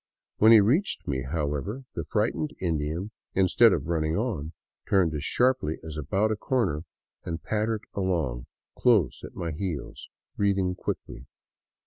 When he reached me, however, the frightened Indian, instead of running on, turned as sharply as about a corner, and pattered along close at my heels, breathing quickly.